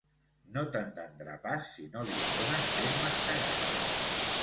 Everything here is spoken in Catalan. No t'entendrà pas si no li ho dones ben mastegat.